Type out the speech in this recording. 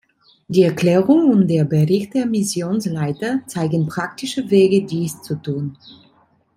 Die Erklärung und der Bericht der Missionsleiter zeigen praktische Wege, dies zu tun.